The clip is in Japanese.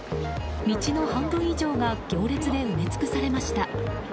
道の半分以上が行列で埋め尽くされました。